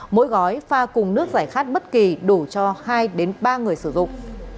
mỗi gói pha cùng nước giải khát bất kỳ đủ cho hai ba người sử dụng